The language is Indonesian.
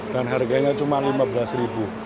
dan harganya cuma rp lima belas